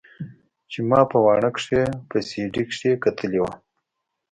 چې ما په واڼه کښې په سي ډي کښې کتلې وه.